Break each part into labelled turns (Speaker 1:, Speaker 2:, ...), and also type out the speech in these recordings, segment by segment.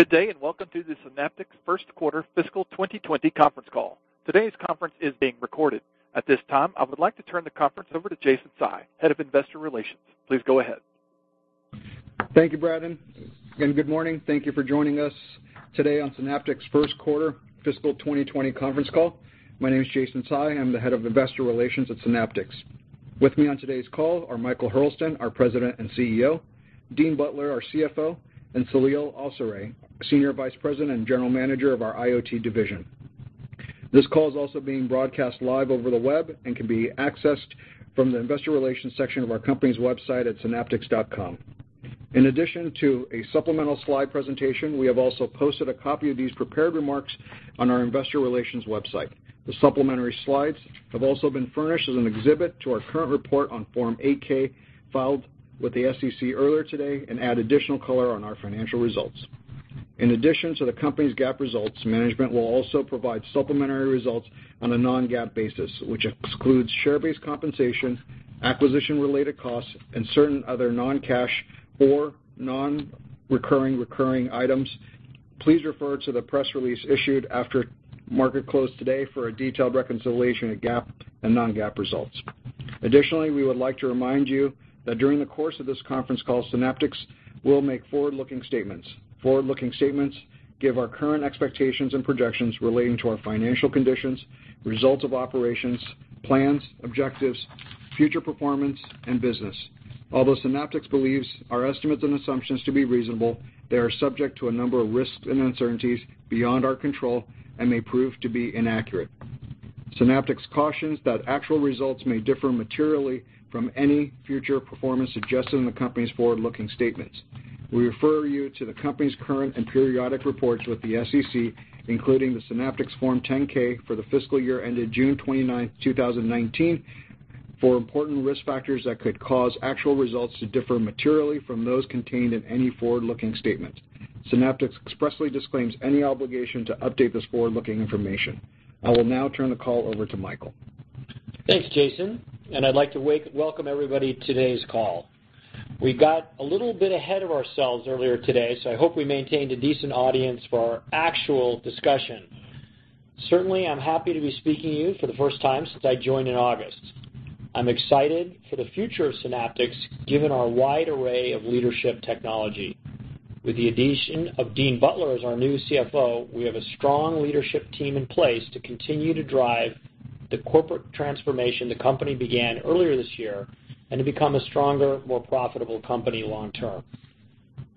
Speaker 1: Good day, welcome to the Synaptics first quarter fiscal 2020 conference call. Today's conference is being recorded. At this time, I would like to turn the conference over to Jason Tsai, Head of Investor Relations. Please go ahead.
Speaker 2: Thank you, Brandon. Good morning. Thank you for joining us today on Synaptics' first quarter fiscal 2020 conference call. My name is Jason Tsai. I'm the Head of Investor Relations at Synaptics. With me on today's call are Michael Hurlston, our President and CEO, Dean Butler, our CFO, and Saleel Awsare, Senior Vice President and General Manager of our IoT division. This call is also being broadcast live over the web and can be accessed from the investor relations section of our company's website at synaptics.com. In addition to a supplemental slide presentation, we have also posted a copy of these prepared remarks on our investor relations website. The supplementary slides have also been furnished as an exhibit to our current report on Form 8-K filed with the SEC earlier today and add additional color on our financial results. In addition to the company's GAAP results, management will also provide supplementary results on a non-GAAP basis, which excludes share-based compensation, acquisition-related costs, and certain other non-cash or non-recurring, recurring items. Please refer to the press release issued after market close today for a detailed reconciliation of GAAP and non-GAAP results. We would like to remind you that during the course of this conference call, Synaptics will make forward-looking statements. Forward-looking statements give our current expectations and projections relating to our financial conditions, results of operations, plans, objectives, future performance, and business. Although Synaptics believes our estimates and assumptions to be reasonable, they are subject to a number of risks and uncertainties beyond our control and may prove to be inaccurate. Synaptics cautions that actual results may differ materially from any future performance suggested in the company's forward-looking statements. We refer you to the company's current and periodic reports with the SEC, including the Synaptics Form 10-K for the fiscal year ended June 29th, 2019, for important risk factors that could cause actual results to differ materially from those contained in any forward-looking statement. Synaptics expressly disclaims any obligation to update this forward-looking information. I will now turn the call over to Michael.
Speaker 3: Thanks, Jason, I'd like to welcome everybody to today's call. We got a little bit ahead of ourselves earlier today, I hope we maintained a decent audience for our actual discussion. Certainly, I'm happy to be speaking to you for the first time since I joined in August. I'm excited for the future of Synaptics given our wide array of leadership technology. With the addition of Dean Butler as our new CFO, we have a strong leadership team in place to continue to drive the corporate transformation the company began earlier this year and to become a stronger, more profitable company long term.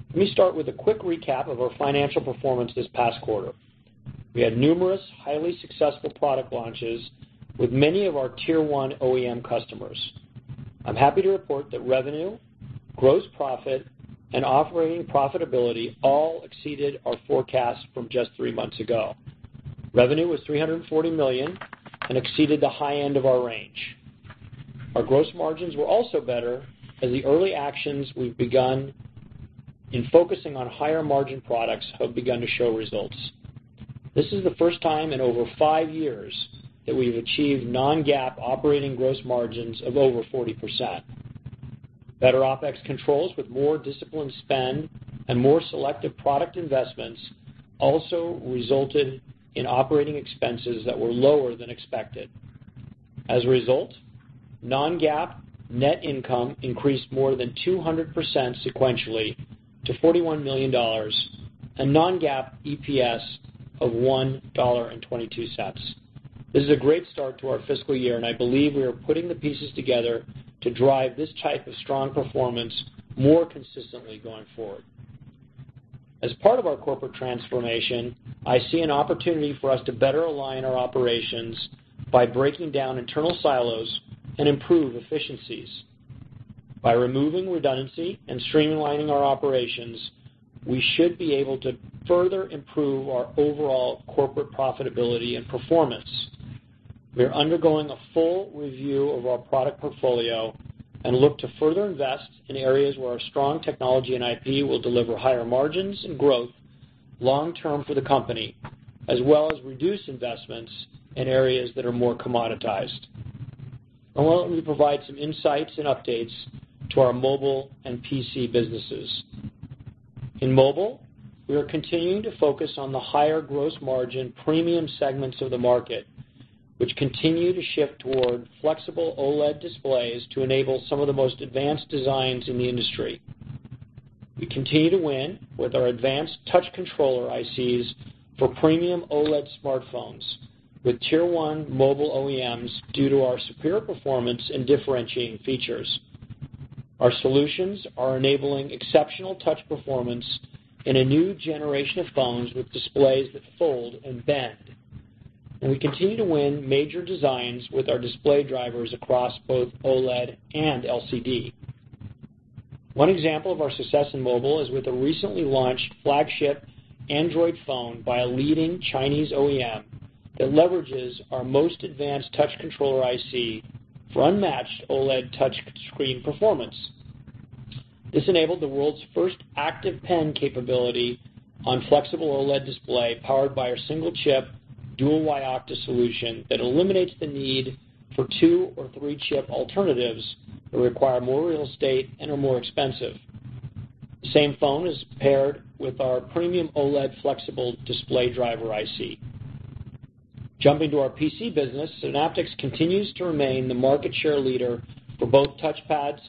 Speaker 3: Let me start with a quick recap of our financial performance this past quarter. We had numerous highly successful product launches with many of our tier-1 OEM customers. I'm happy to report that revenue, gross profit, and operating profitability all exceeded our forecast from just three months ago. Revenue was $340 million and exceeded the high end of our range. Our gross margins were also better as the early actions we've begun in focusing on higher-margin products have begun to show results. This is the first time in over five years that we've achieved non-GAAP operating gross margins of over 40%. Better OpEx controls with more disciplined spend and more selective product investments also resulted in operating expenses that were lower than expected. As a result, non-GAAP net income increased more than 200% sequentially to $41 million, and non-GAAP EPS of $1.22. This is a great start to our fiscal year, and I believe we are putting the pieces together to drive this type of strong performance more consistently going forward. As part of our corporate transformation, I see an opportunity for us to better align our operations by breaking down internal silos and improve efficiencies. By removing redundancy and streamlining our operations, we should be able to further improve our overall corporate profitability and performance. We are undergoing a full review of our product portfolio and look to further invest in areas where our strong technology and IP will deliver higher margins and growth long term for the company, as well as reduce investments in areas that are more commoditized. Now let me provide some insights and updates to our mobile and PC businesses. In mobile, we are continuing to focus on the higher gross margin premium segments of the market, which continue to shift toward flexible OLED displays to enable some of the most advanced designs in the industry. We continue to win with our advanced touch controller ICs for premium OLED smartphones with tier-one mobile OEMs due to our superior performance and differentiating features. Our solutions are enabling exceptional touch performance in a new generation of phones with displays that fold and bend. We continue to win major designs with our display drivers across both OLED and LCD. One example of our success in mobile is with a recently launched flagship Android phone by a leading Chinese OEM that leverages our most advanced touch controller IC for unmatched OLED touch screen performance. This enabled the world's first active pen capability on flexible OLED display powered by our single-chip Dual Yocto solution that eliminates the need for two or three chip alternatives that require more real estate and are more expensive. Same phone is paired with our premium OLED flexible display driver IC. Jumping to our PC business, Synaptics continues to remain the market share leader for both touchpads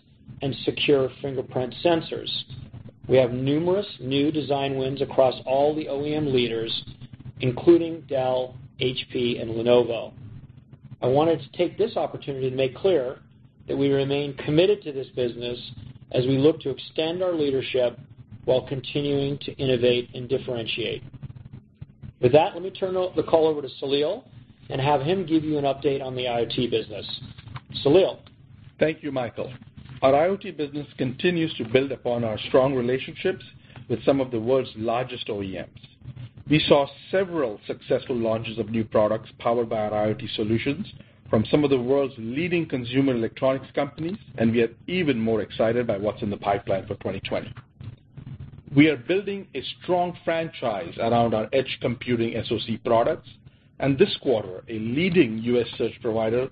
Speaker 3: and secure fingerprint sensors. We have numerous new design wins across all the OEM leaders, including Dell, HP, and Lenovo. I wanted to take this opportunity to make clear that we remain committed to this business as we look to extend our leadership while continuing to innovate and differentiate. With that, let me turn the call over to Saleel and have him give you an update on the IoT business. Saleel?
Speaker 4: Thank you, Michael. Our IoT business continues to build upon our strong relationships with some of the world's largest OEMs. We saw several successful launches of new products powered by our IoT solutions from some of the world's leading consumer electronics companies. We are even more excited by what's in the pipeline for 2020. We are building a strong franchise around our edge computing SoC products. This quarter, a leading U.S. search provider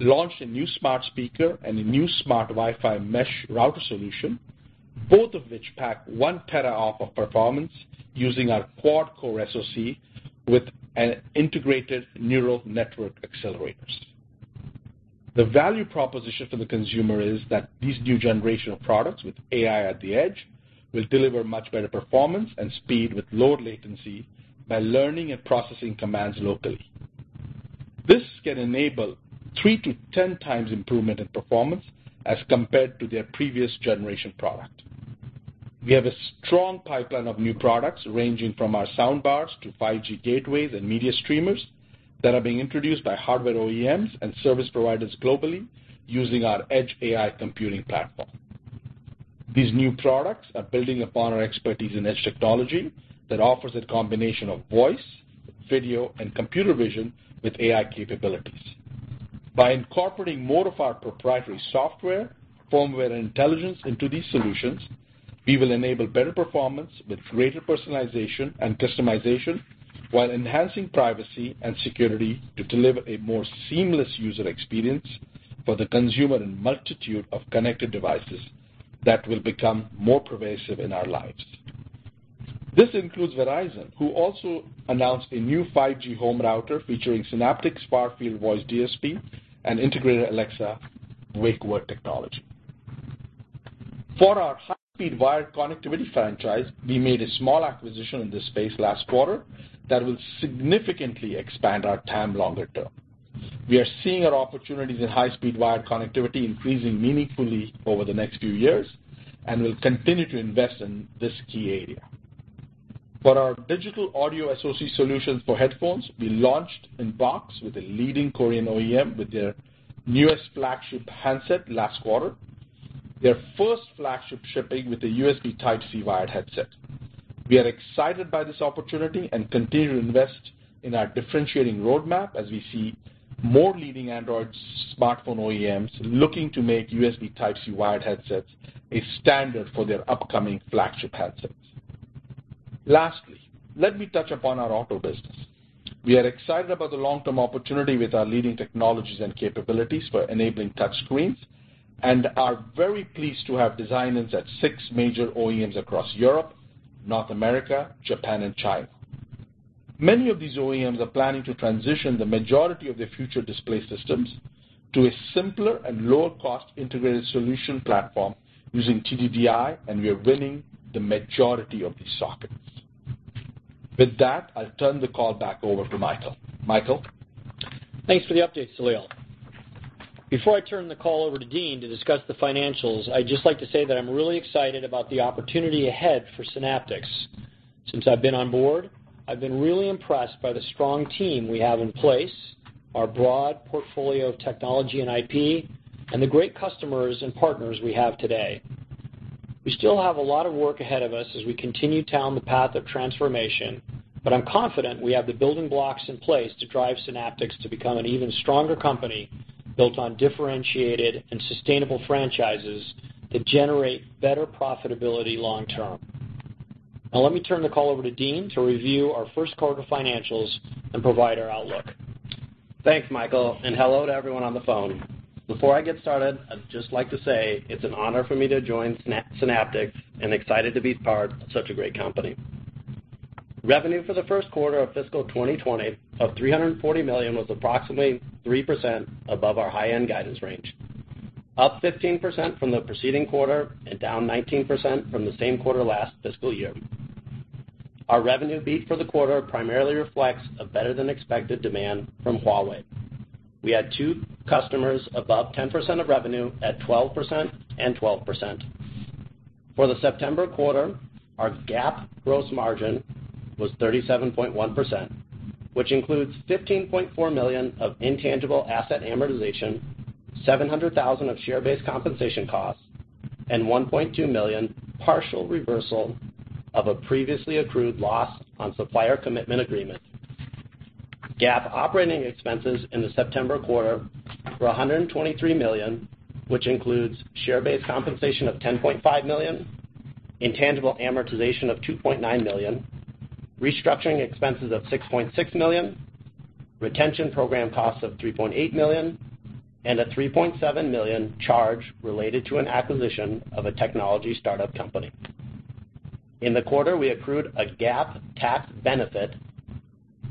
Speaker 4: launched a new smart speaker and a new smart Wi-Fi mesh router solution, both of which pack one teraOP of performance using our quad-core SoC with an integrated neural network accelerators. The value proposition for the consumer is that these new generation of products with AI at the edge will deliver much better performance and speed with low latency by learning and processing commands locally. This can enable 3-10 times improvement in performance as compared to their previous generation product. We have a strong pipeline of new products, ranging from our sound bars to 5G gateways and media streamers, that are being introduced by hardware OEMs and service providers globally using our edge AI computing platform. These new products are building upon our expertise in edge technology that offers a combination of voice, video, and computer vision with AI capabilities. By incorporating more of our proprietary software, firmware, and intelligence into these solutions, we will enable better performance with greater personalization and customization while enhancing privacy and security to deliver a more seamless user experience for the consumer and multitude of connected devices that will become more pervasive in our lives. This includes Verizon, who also announced a new 5G home router featuring Synaptics Far-field voice DSP and integrated Alexa wake word technology. For our high-speed wired connectivity franchise, we made a small acquisition in this space last quarter that will significantly expand our TAM longer term. We are seeing our opportunities in high-speed wired connectivity increasing meaningfully over the next few years, and we'll continue to invest in this key area. For our digital AudioSmart solutions for headphones, we launched in box with a leading Korean OEM with their newest flagship handset last quarter, their first flagship shipping with a USB Type-C wired headset. We are excited by this opportunity and continue to invest in our differentiating roadmap as we see more leading Android smartphone OEMs looking to make USB Type-C wired headsets a standard for their upcoming flagship headsets. Lastly, let me touch upon our auto business. We are excited about the long-term opportunity with our leading technologies and capabilities for enabling touchscreens and are very pleased to have design wins at six major OEMs across Europe, North America, Japan, and China. Many of these OEMs are planning to transition the majority of their future display systems to a simpler and lower cost integrated solution platform using TDDI, and we are winning the majority of these sockets. With that, I'll turn the call back over to Michael. Michael?
Speaker 3: Thanks for the update, Saleel. Before I turn the call over to Dean to discuss the financials, I'd just like to say that I'm really excited about the opportunity ahead for Synaptics. Since I've been on board, I've been really impressed by the strong team we have in place, our broad portfolio of technology and IP, and the great customers and partners we have today. We still have a lot of work ahead of us as we continue down the path of transformation, but I'm confident we have the building blocks in place to drive Synaptics to become an even stronger company built on differentiated and sustainable franchises that generate better profitability long term. Now, let me turn the call over to Dean to review our first quarter financials and provide our outlook.
Speaker 5: Thanks, Michael. Hello to everyone on the phone. Before I get started, I'd just like to say it's an honor for me to join Synaptics, and excited to be part of such a great company. Revenue for the first quarter of fiscal 2020 of $340 million was approximately 3% above our high-end guidance range, up 15% from the preceding quarter and down 19% from the same quarter last fiscal year. Our revenue beat for the quarter primarily reflects a better than expected demand from Huawei. We had two customers above 10% of revenue at 12% and 12%. For the September quarter, our GAAP gross margin was 37.1%, which includes $15.4 million of intangible asset amortization, $700,000 of share-based compensation costs, and $1.2 million partial reversal of a previously accrued loss on supplier commitment agreement. GAAP operating expenses in the September quarter were $123 million, which includes share-based compensation of $10.5 million. Intangible amortization of $2.9 million, restructuring expenses of $6.6 million, retention program costs of $3.8 million, a $3.7 million charge related to an acquisition of a technology startup company. In the quarter, we accrued a GAAP tax benefit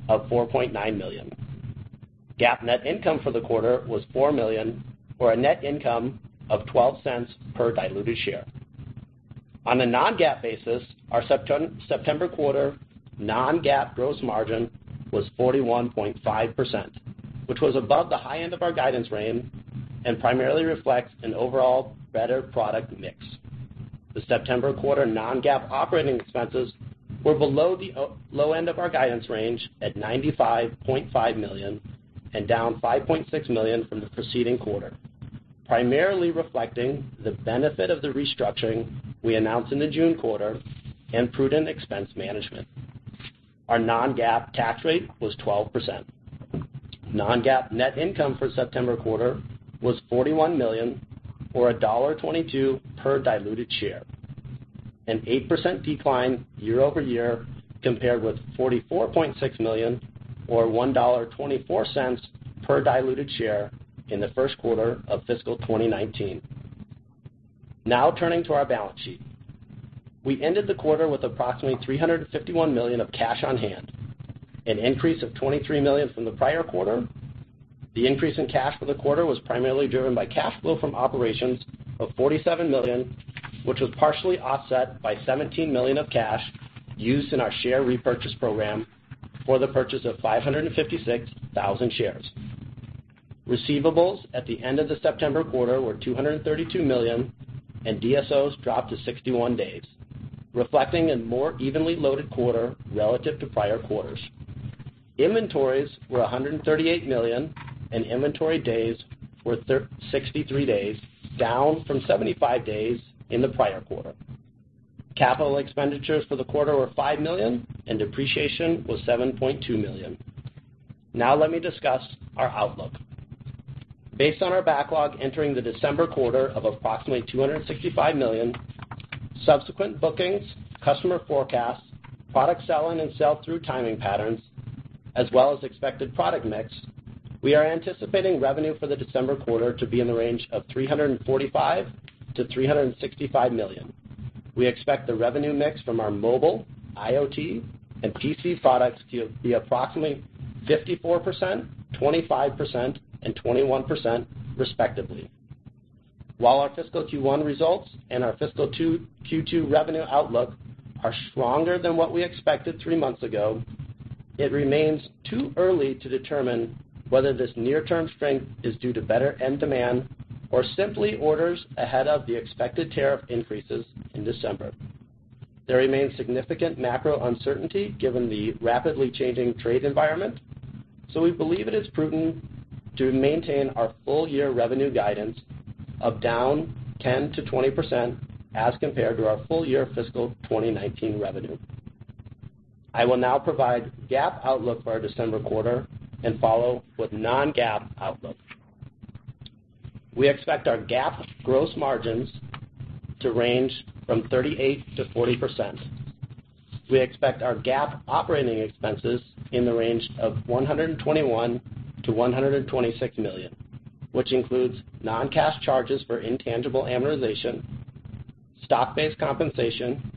Speaker 5: of $4.9 million. GAAP net income for the quarter was $4 million, or a net income of $0.12 per diluted share. On a non-GAAP basis, our September quarter non-GAAP gross margin was 41.5%, which was above the high end of our guidance range and primarily reflects an overall better product mix. The September quarter non-GAAP operating expenses were below the low end of our guidance range at $95.5 million, and down $5.6 million from the preceding quarter, primarily reflecting the benefit of the restructuring we announced in the June quarter and prudent expense management. Our non-GAAP tax rate was 12%. Non-GAAP net income for September quarter was $41 million, or $1.22 per diluted share, an 8% decline year-over-year, compared with $44.6 million or $1.24 per diluted share in the first quarter of fiscal 2019. Turning to our balance sheet. We ended the quarter with approximately $351 million of cash on hand, an increase of $23 million from the prior quarter. The increase in cash for the quarter was primarily driven by cash flow from operations of $47 million, which was partially offset by $17 million of cash used in our share repurchase program for the purchase of 556,000 shares. Receivables at the end of the September quarter were $232 million, and DSOs dropped to 61 days, reflecting a more evenly loaded quarter relative to prior quarters. Inventories were $138 million, and inventory days were 63 days, down from 75 days in the prior quarter. Capital expenditures for the quarter were $5 million, and depreciation was $7.2 million. Now let me discuss our outlook. Based on our backlog entering the December quarter of approximately $265 million, subsequent bookings, customer forecasts, product sell-in and sell-through timing patterns, as well as expected product mix, we are anticipating revenue for the December quarter to be in the range of $345 million-$365 million. We expect the revenue mix from our mobile, IoT, and PC products to be approximately 54%, 25%, and 21% respectively. While our fiscal Q1 results and our fiscal Q2 revenue outlook are stronger than what we expected three months ago, it remains too early to determine whether this near-term strength is due to better end demand or simply orders ahead of the expected tariff increases in December. There remains significant macro uncertainty given the rapidly changing trade environment, we believe it is prudent to maintain our full-year revenue guidance of down 10%-20% as compared to our full-year fiscal 2019 revenue. I will now provide GAAP outlook for our December quarter and follow with non-GAAP outlook. We expect our GAAP gross margins to range from 38%-40%. We expect our GAAP operating expenses in the range of $121 million-$126 million, which includes non-cash charges for intangible amortization, stock-based compensation,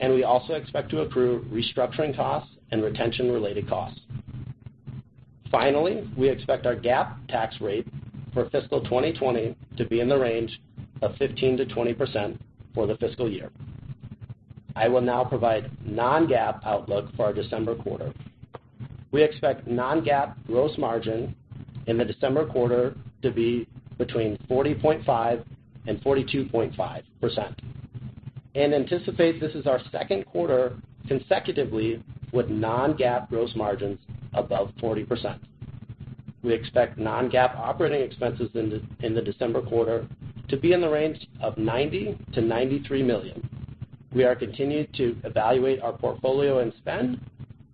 Speaker 5: and we also expect to accrue restructuring costs and retention-related costs. We expect our GAAP tax rate for fiscal 2020 to be in the range of 15%-20% for the fiscal year. I will now provide non-GAAP outlook for our December quarter. We expect non-GAAP gross margin in the December quarter to be between 40.5% and 42.5%, and anticipate this is our second quarter consecutively with non-GAAP gross margins above 40%. We expect non-GAAP operating expenses in the December quarter to be in the range of $90 million-$93 million. We are continuing to evaluate our portfolio and spend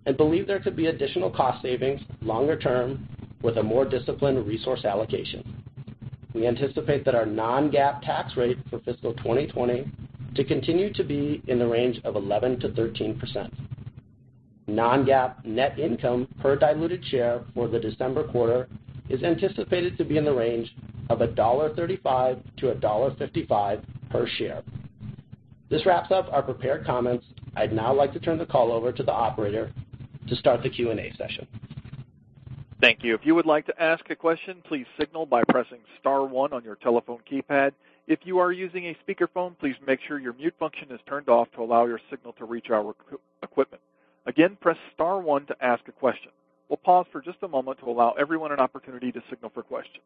Speaker 5: and believe there could be additional cost savings longer term with a more disciplined resource allocation. We anticipate that our non-GAAP tax rate for fiscal 2020 to continue to be in the range of 11%-13%. Non-GAAP net income per diluted share for the December quarter is anticipated to be in the range of $1.35-$1.55 per share. This wraps up our prepared comments. I'd now like to turn the call over to the operator to start the Q&A session.
Speaker 1: Thank you. If you would like to ask a question, please signal by pressing star one on your telephone keypad. If you are using a speakerphone, please make sure your mute function is turned off to allow your signal to reach our equipment. Again, press star one to ask a question. We'll pause for just a moment to allow everyone an opportunity to signal for questions.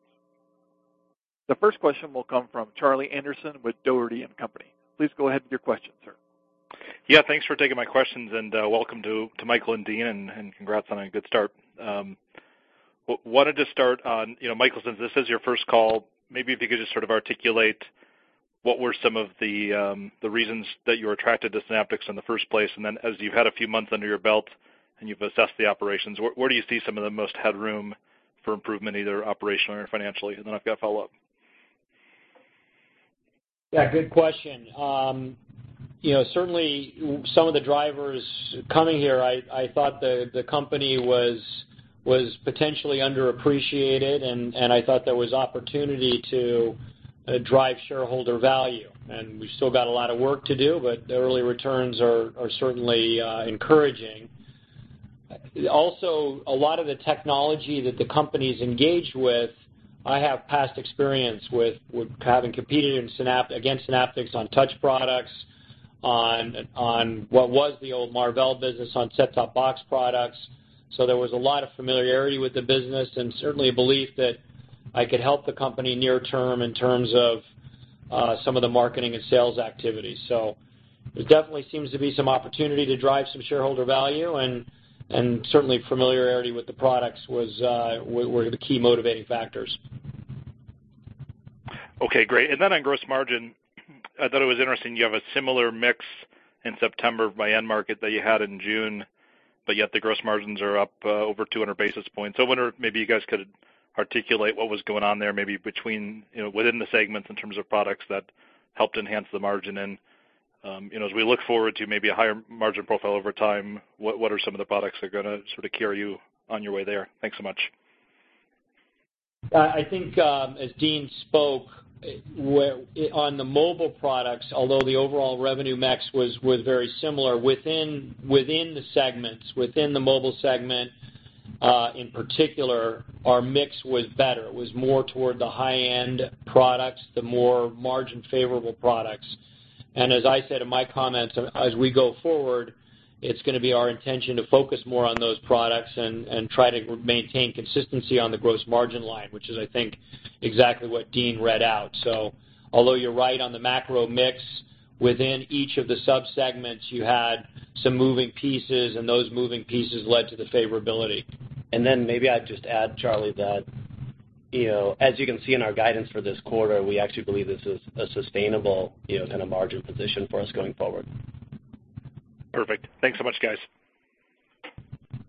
Speaker 1: The first question will come from Charlie Anderson with Dougherty & Company. Please go ahead with your question, sir.
Speaker 6: Yeah, thanks for taking my questions, and welcome to Michael and Dean, and congrats on a good start. Wanted to start on, Michael, since this is your first call, maybe if you could just sort of articulate what were some of the reasons that you were attracted to Synaptics in the first place. Then as you've had a few months under your belt and you've assessed the operations, where do you see some of the most headroom for improvement, either operational or financially? Then I've got a follow-up.
Speaker 3: Yeah, good question. Certainly, some of the drivers coming here, I thought the company was potentially underappreciated, and I thought there was opportunity to drive shareholder value. We've still got a lot of work to do, but the early returns are certainly encouraging. Also, a lot of the technology that the company's engaged with, I have past experience with having competed against Synaptics on touch products, on what was the old Marvell business on set-top box products. There was a lot of familiarity with the business and certainly a belief that I could help the company near term in terms of some of the marketing and sales activities. There definitely seems to be some opportunity to drive some shareholder value and certainly familiarity with the products were the key motivating factors.
Speaker 6: Okay, great. On gross margin, I thought it was interesting you have a similar mix in September by end market that you had in June, but yet the gross margins are up over 200 basis points. I wonder if maybe you guys could articulate what was going on there, maybe within the segments in terms of products that helped enhance the margin. As we look forward to maybe a higher margin profile over time, what are some of the products that are going to sort of carry you on your way there? Thanks so much.
Speaker 3: I think, as Dean spoke, on the mobile products, although the overall revenue mix was very similar within the segments, within the mobile segment, in particular, our mix was better. It was more toward the high-end products, the more margin-favorable products. As I said in my comments, as we go forward, it's going to be our intention to focus more on those products and try to maintain consistency on the gross margin line, which is, I think, exactly what Dean read out. Although you're right on the macro mix, within each of the sub-segments, you had some moving pieces, and those moving pieces led to the favorability.
Speaker 5: Maybe I'd just add, Charlie, that as you can see in our guidance for this quarter, we actually believe this is a sustainable kind of margin position for us going forward.
Speaker 6: Perfect. Thanks so much, guys.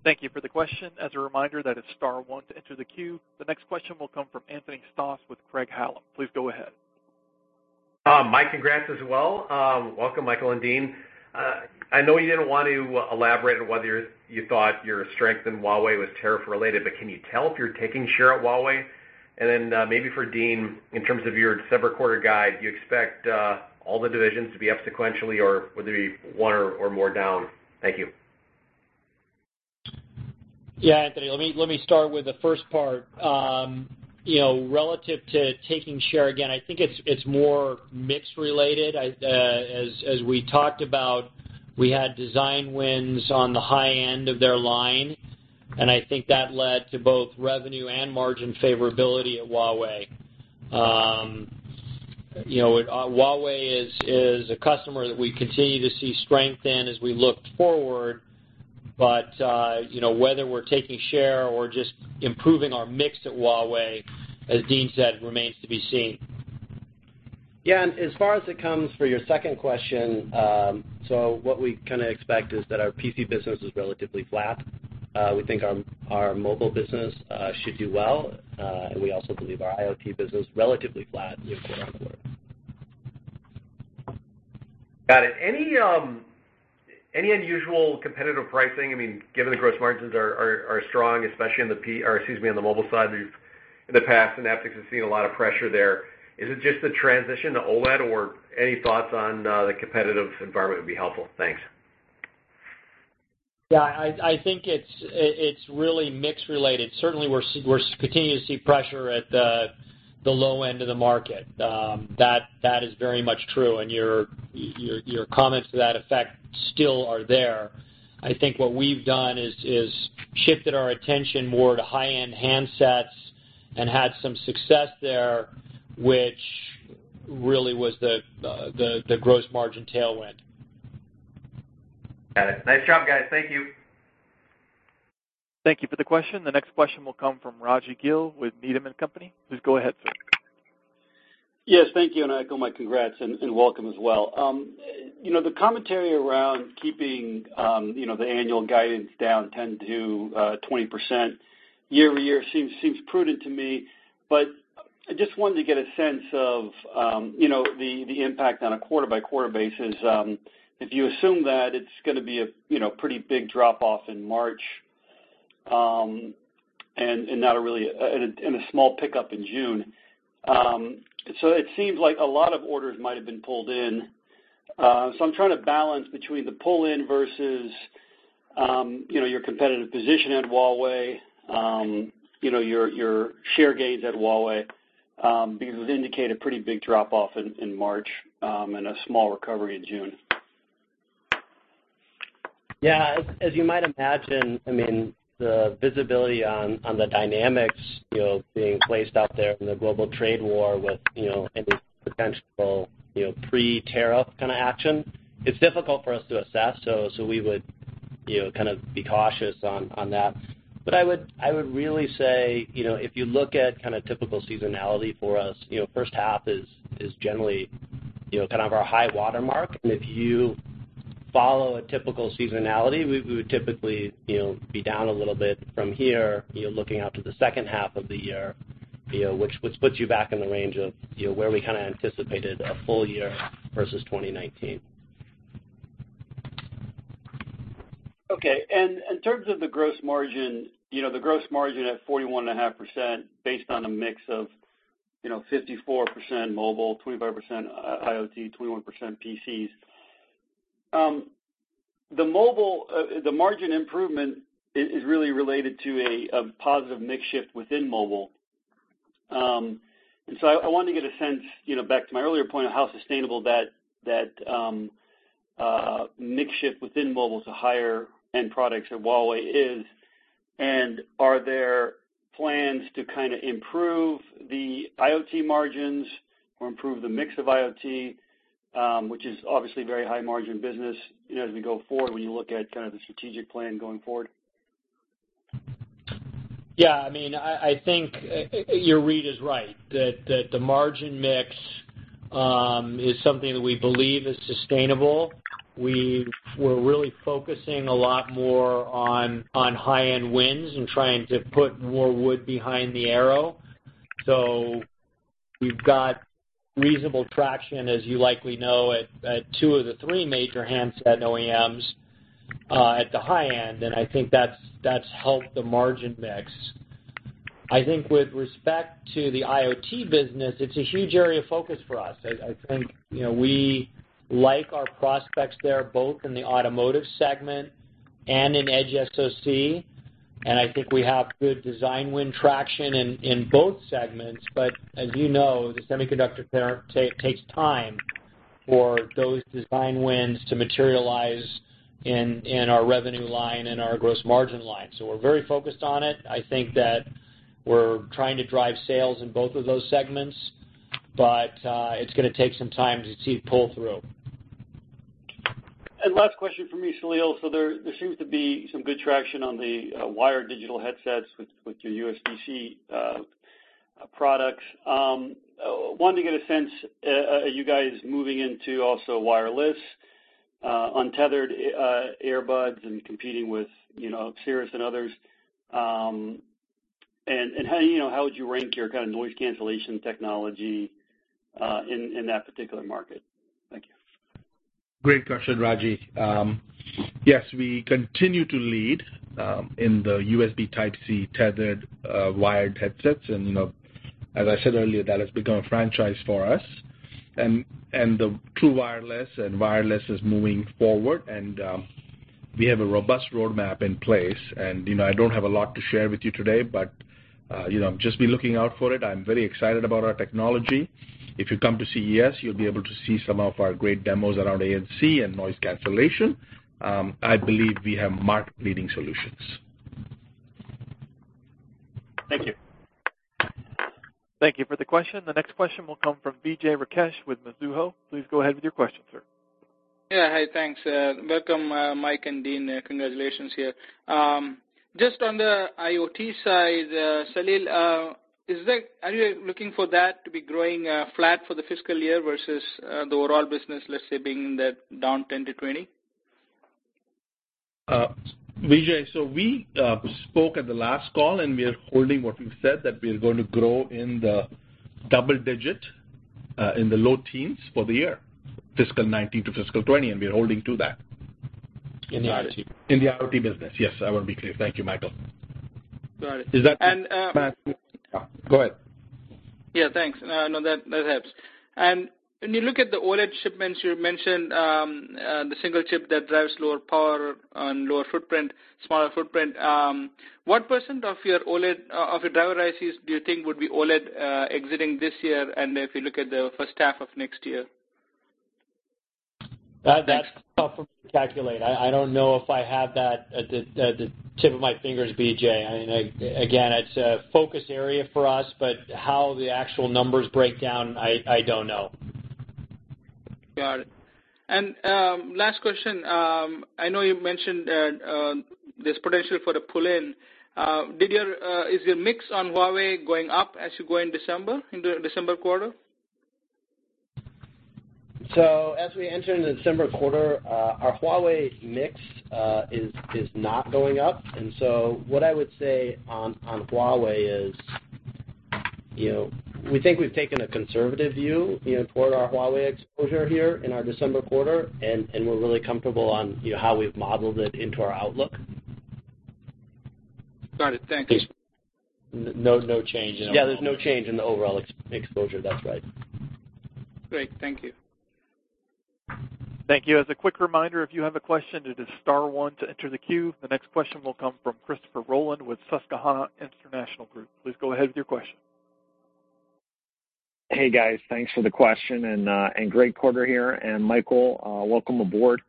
Speaker 1: Thank you for the question. As a reminder, that is star one to enter the queue. The next question will come from Anthony Stoss with Craig-Hallum. Please go ahead.
Speaker 7: Mike, congrats as well. Welcome, Michael and Dean. I know you didn't want to elaborate on whether you thought your strength in Huawei was tariff related, but can you tell if you're taking share at Huawei? Then maybe for Dean, in terms of your December quarter guide, do you expect all the divisions to be up sequentially, or would there be one or more down? Thank you.
Speaker 3: Yeah, Anthony Stoss, let me start with the first part. Relative to taking share, again, I think it's more mix related. As we talked about, we had design wins on the high end of their line, and I think that led to both revenue and margin favorability at Huawei. Huawei is a customer that we continue to see strength in as we look forward. But whether we're taking share or just improving our mix at Huawei, as Dean said, remains to be seen.
Speaker 5: As far as it comes for your second question, what we kind of expect is that our PC business is relatively flat. We think our mobile business should do well, and we also believe our IoT business, relatively flat year-over-year.
Speaker 7: Got it. Any unusual competitive pricing? Given the gross margins are strong, especially on the mobile side, in the past, Synaptics has seen a lot of pressure there. Is it just the transition to OLED, or any thoughts on the competitive environment would be helpful? Thanks.
Speaker 3: Yeah, I think it's really mix related. Certainly, we're continuing to see pressure at the low end of the market. That is very much true, and your comments to that effect still are there. I think what we've done is shifted our attention more to high-end handsets and had some success there, which really was the gross margin tailwind.
Speaker 7: Got it. Nice job, guys. Thank you.
Speaker 1: Thank you for the question. The next question will come from Raji Gill with Needham & Company. Please go ahead, sir.
Speaker 8: Yes, thank you, and I echo my congrats and welcome as well. The commentary around keeping the annual guidance down 10%-20% year-over-year seems prudent to me, but I just wanted to get a sense of the impact on a quarter-by-quarter basis. If you assume that it's going to be a pretty big drop-off in March, and a small pickup in June. It seems like a lot of orders might have been pulled in. I'm trying to balance between the pull-in versus your competitive position at Huawei, your share gains at Huawei, because it would indicate a pretty big drop-off in March, and a small recovery in June.
Speaker 5: Yeah. As you might imagine, the visibility on the dynamics being placed out there in the global trade war with any potential pre-tariff kind of action, it's difficult for us to assess. We would kind of be cautious on that. I would really say, if you look at kind of typical seasonality for us, first half is generally kind of our high water mark. If you
Speaker 3: Follow a typical seasonality, we would typically be down a little bit from here, looking out to the second half of the year, which puts you back in the range of where we kind of anticipated a full year versus 2019.
Speaker 8: Okay. In terms of the gross margin, the gross margin at 41.5% based on a mix of 54% mobile, 25% IoT, 21% PCs. The margin improvement is really related to a positive mix shift within mobile. I wanted to get a sense, back to my earlier point, how sustainable that mix shift within mobile to higher-end products of Huawei is, and are there plans to kind of improve the IoT margins or improve the mix of IoT, which is obviously a very high margin business, as we go forward when you look at kind of the strategic plan going forward?
Speaker 3: Yeah, I think your read is right that the margin mix is something that we believe is sustainable. We're really focusing a lot more on high-end wins and trying to put more wood behind the arrow. We've got reasonable traction, as you likely know, at two of the three major handset OEMs at the high end, and I think that's helped the margin mix. I think with respect to the IoT business, it's a huge area of focus for us. I think we like our prospects there, both in the automotive segment and in edge SoC, and I think we have good design win traction in both segments. As you know, the semiconductor parent takes time for those design wins to materialize in our revenue line and our gross margin line. We're very focused on it. I think that we're trying to drive sales in both of those segments, but it's going to take some time to see it pull through.
Speaker 8: Last question from me, Saleel. There seems to be some good traction on the wired digital headsets with your USB-C products. Wanted to get a sense, are you guys moving into also wireless, untethered earbuds and competing with Cirrus and others? How would you rank your kind of noise cancellation technology in that particular market? Thank you.
Speaker 4: Great question, Raji. Yes, we continue to lead in the USB Type-C tethered wired headsets, and as I said earlier, that has become a franchise for us. The true wireless and wireless is moving forward, and we have a robust roadmap in place. I don't have a lot to share with you today, but just be looking out for it. I'm very excited about our technology. If you come to CES, you'll be able to see some of our great demos around ANC and noise cancellation. I believe we have market-leading solutions.
Speaker 8: Thank you.
Speaker 1: Thank you for the question. The next question will come from Vijay Rakesh with Mizuho. Please go ahead with your question, sir.
Speaker 9: Hi. Thanks. Welcome, Mike and Dean. Congratulations here. Just on the IoT side, Saleel, are you looking for that to be growing flat for the fiscal year versus the overall business, let's say, being that down 20 to 20?
Speaker 4: Vijay, we spoke at the last call, and we are holding what we've said that we are going to grow in the double digit, in the low teens for the year, fiscal 2019 to fiscal 2020, and we are holding to that.
Speaker 3: In the IoT.
Speaker 4: In the IoT business. Yes, I want to be clear. Thank you, Michael.
Speaker 9: Got it.
Speaker 4: Is that-
Speaker 9: And-
Speaker 4: Go ahead.
Speaker 9: Yeah, thanks. No, that helps. When you look at the OLED shipments, you mentioned the single chip that drives lower power and lower footprint, smaller footprint. What % of your driver ICs do you think would be OLED exiting this year and if you look at the first half of next year?
Speaker 3: That's tough for me to calculate. I don't know if I have that at the tip of my fingers, Vijay. It's a focus area for us, but how the actual numbers break down, I don't know.
Speaker 9: Got it. Last question, I know you mentioned there's potential for the pull-in. Is your mix on Huawei going up as you go in December, in the December quarter?
Speaker 3: As we enter into the December quarter, our Huawei mix is not going up. What I would say on Huawei is we think we've taken a conservative view toward our Huawei exposure here in our December quarter, and we're really comfortable on how we've modeled it into our outlook.
Speaker 9: Got it. Thank you.
Speaker 3: No change in our.
Speaker 5: Yeah, there's no change in the overall exposure. That's right.
Speaker 9: Great. Thank you.
Speaker 1: Thank you. As a quick reminder, if you have a question, it is star one to enter the queue. The next question will come from Christopher Rolland with Susquehanna Financial Group. Please go ahead with your question.
Speaker 10: Hey, guys. Thanks for the question, and great quarter here. Michael, welcome aboard.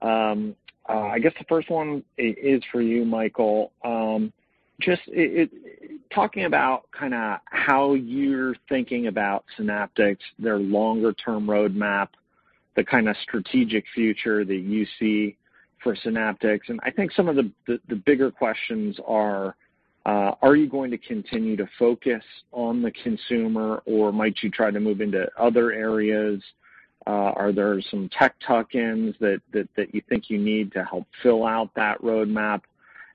Speaker 10: I guess the first one is for you, Michael. Just talking about kind of how you're thinking about Synaptics, their longer-term roadmap, the kind of strategic future that you see for Synaptics. I think some of the bigger questions are: Are you going to continue to focus on the consumer, or might you try to move into other areas? Are there some tech tuck-ins that you think you need to help fill out that roadmap?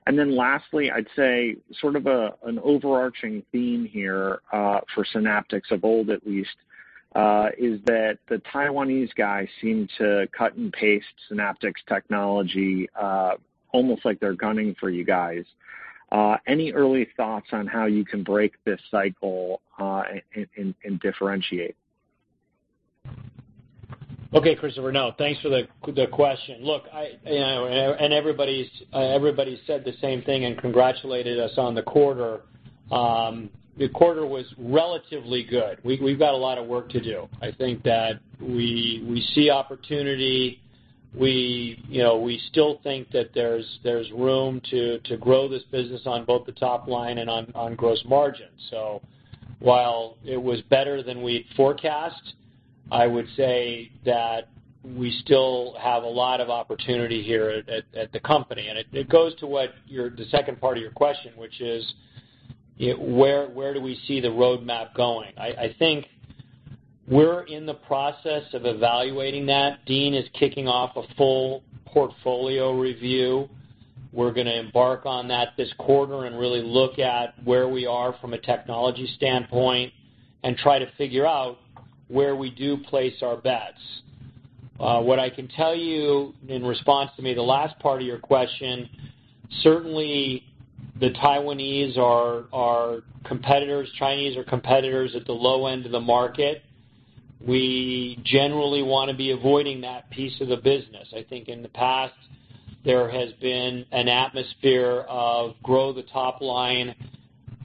Speaker 10: Lastly, I'd say sort of an overarching theme here for Synaptics, of old at least, is that the Taiwanese guys seem to cut and paste Synaptics technology almost like they're gunning for you guys. Any early thoughts on how you can break this cycle and differentiate?
Speaker 3: Okay, Christopher, no, thanks for the question. Look, everybody's said the same thing and congratulated us on the quarter. The quarter was relatively good. We've got a lot of work to do. I think that we see opportunity. We still think that there's room to grow this business on both the top line and on gross margin. While it was better than we'd forecast, I would say that we still have a lot of opportunity here at the company. It goes to the second part of your question, which is, where do we see the roadmap going? I think we're in the process of evaluating that. Dean is kicking off a full portfolio review. We're going to embark on that this quarter and really look at where we are from a technology standpoint and try to figure out where we do place our bets. What I can tell you in response to maybe the last part of your question, certainly the Taiwanese are competitors, Chinese are competitors at the low end of the market. We generally want to be avoiding that piece of the business. I think in the past, there has been an atmosphere of grow the top line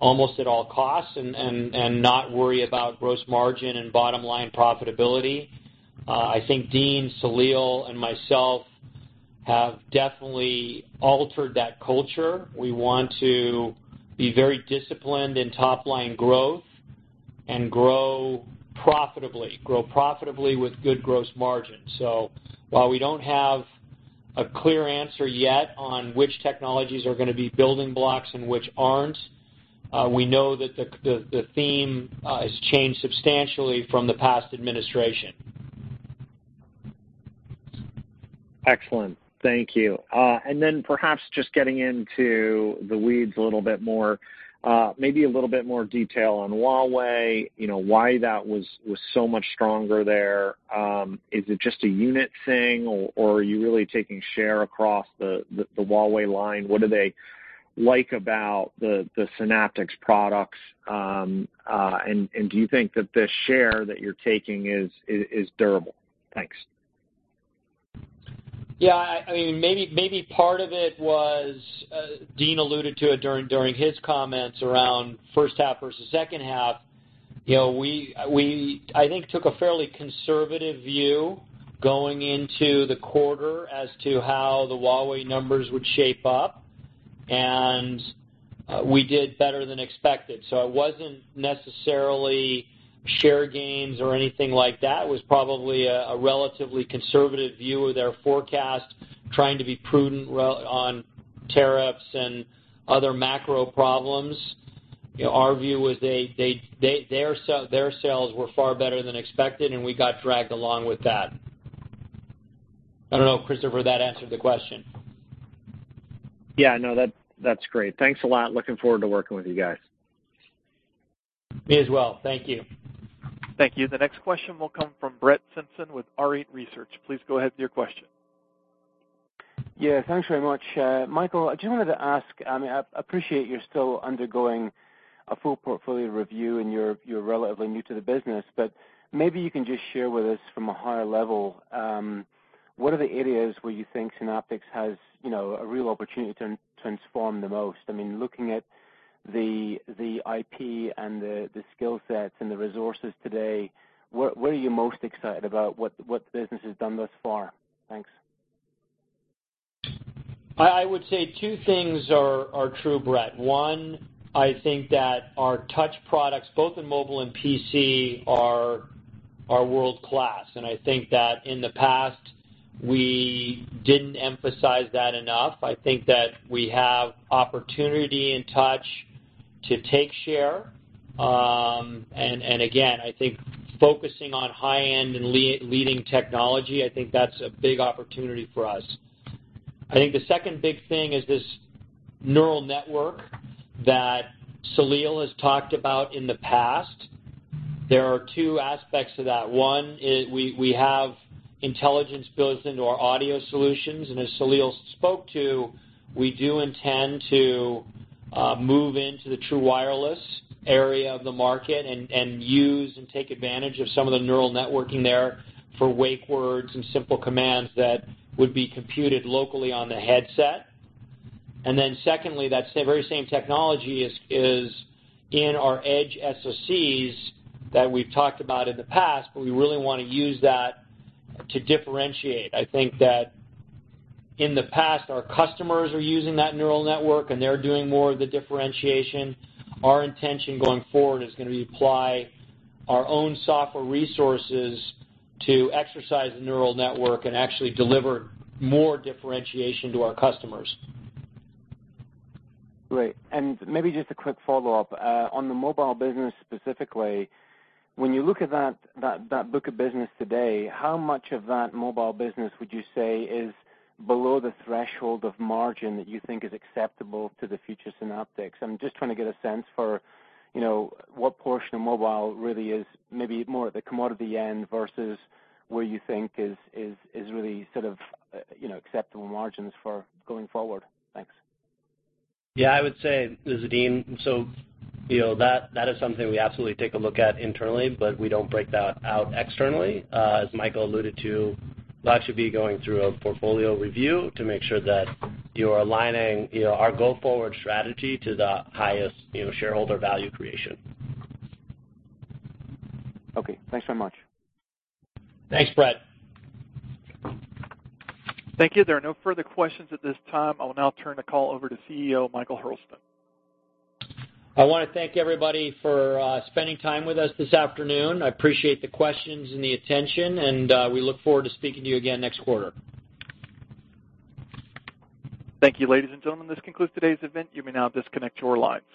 Speaker 3: almost at all costs and not worry about gross margin and bottom-line profitability. I think Dean, Saleel, and myself have definitely altered that culture. We want to be very disciplined in top-line growth and grow profitably. Grow profitably with good gross margin. While we don't have a clear answer yet on which technologies are going to be building blocks and which aren't, we know that the theme has changed substantially from the past administration.
Speaker 10: Excellent. Thank you. Perhaps just getting into the weeds a little bit more, maybe a little bit more detail on Huawei, why that was so much stronger there. Is it just a unit thing, or are you really taking share across the Huawei line? What do they like about the Synaptics products? Do you think that this share that you're taking is durable? Thanks.
Speaker 3: Maybe part of it was, Dean alluded to it during his comments around first half versus second half. We, I think, took a fairly conservative view going into the quarter as to how the Huawei numbers would shape up. We did better than expected. It wasn't necessarily share gains or anything like that. It was probably a relatively conservative view of their forecast, trying to be prudent on tariffs and other macro problems. Our view was their sales were far better than expected. We got dragged along with that. I don't know, Christopher, if that answered the question.
Speaker 10: Yeah, no, that's great. Thanks a lot. Looking forward to working with you guys.
Speaker 3: Me as well. Thank you.
Speaker 1: Thank you. The next question will come from Brett Simpson with Arete Research. Please go ahead with your question.
Speaker 11: Thanks very much. Michael, I just wanted to ask, I appreciate you're still undergoing a full portfolio review, and you're relatively new to the business, but maybe you can just share with us from a higher level, what are the areas where you think Synaptics has a real opportunity to transform the most? Looking at the IP and the skill sets and the resources today, what are you most excited about what the business has done thus far? Thanks.
Speaker 3: I would say two things are true, Brett. One, I think that our touch products, both in mobile and PC, are world-class, and I think that in the past, we didn't emphasize that enough. I think that we have opportunity in touch to take share. Again, I think focusing on high-end and leading technology, I think that's a big opportunity for us. I think the second big thing is this neural network that Saleel has talked about in the past. There are two aspects to that. One is we have intelligence built into our audio solutions, and as Saleel spoke to, we do intend to move into the true wireless area of the market and use and take advantage of some of the neural networking there for wake words and simple commands that would be computed locally on the headset. Secondly, that very same technology is in our edge SoCs that we've talked about in the past, but we really want to use that to differentiate. I think that in the past, our customers are using that neural network, and they're doing more of the differentiation. Our intention going forward is going to be apply our own software resources to exercise the neural network and actually deliver more differentiation to our customers.
Speaker 11: Great. Maybe just a quick follow-up. On the mobile business specifically, when you look at that book of business today, how much of that mobile business would you say is below the threshold of margin that you think is acceptable to the future Synaptics? I'm just trying to get a sense for what portion of mobile really is maybe more at the commodity end versus where you think is really sort of acceptable margins for going forward. Thanks.
Speaker 5: Yeah, I would say, this is Dean. That is something we absolutely take a look at internally, but we don't break that out externally. As Michael alluded to, we'll actually be going through a portfolio review to make sure that we are aligning our go-forward strategy to the highest shareholder value creation.
Speaker 11: Okay. Thanks so much.
Speaker 3: Thanks, Brett.
Speaker 1: Thank you. There are no further questions at this time. I will now turn the call over to CEO, Michael Hurlston.
Speaker 3: I want to thank everybody for spending time with us this afternoon. I appreciate the questions and the attention, and I look forward to speaking to you again next quarter.
Speaker 1: Thank you, ladies and gentlemen. This concludes today's event. You may now disconnect your lines.